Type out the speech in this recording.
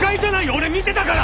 俺見てたから！